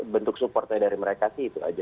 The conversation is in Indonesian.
bentuk supportnya dari mereka sih itu aja